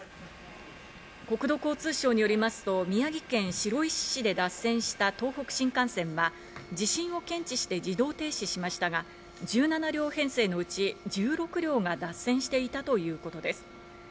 国土交通省によりますと宮城県白石市で脱線した東北新幹線は、地震を検知して自動停止しましたが、１７両編成のうち１６両が脱線していたということです。